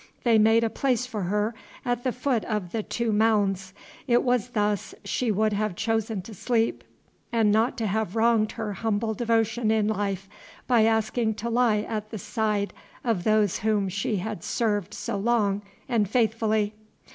They made a place for her at the foot of the two mounds. It was thus she would have chosen to sleep, and not to have wronged her humble devotion in life by asking to lie at the side of those whom she had served so long and faithfully.